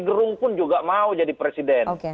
gerung pun juga mau jadi presiden